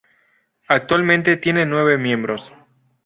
Actualmente tiene nueve miembros.